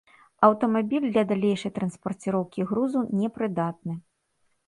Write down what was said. Аўтамабіль для далейшай транспарціроўкі грузу непрыдатны.